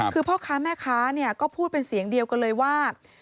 คือพ่อค้าแม่ค้าก็พูดเป็นเสียงเดียวกันเลยว่า